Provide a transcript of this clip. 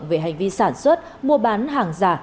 về hành vi sản xuất mua bán hàng giả